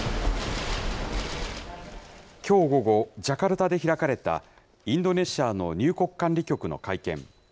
きょう午後、ジャカルタで開かれたインドネシアの入国管理局の会見。